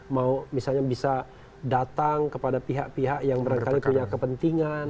mau misalnya bisa datang kepada pihak pihak yang berangkali punya kepentingan